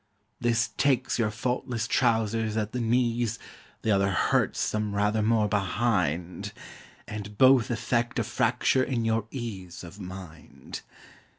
This takes your faultless trousers at the knees, The other hurts them rather more behind; And both effect a fracture in your ease Of mind.